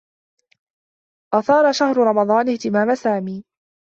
أثار شهر رمضان اهتمام سامي.